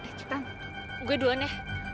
cepetan gue duluan ya